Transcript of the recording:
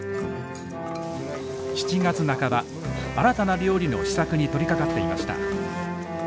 ７月半ば新たな料理の試作に取りかかっていました。